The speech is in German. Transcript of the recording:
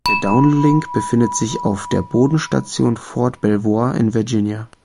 Der Downlink befindet sich auf der Bodenstation Fort Belvoir in Virginia.